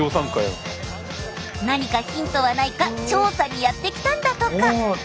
何かヒントはないか調査にやって来たんだとか。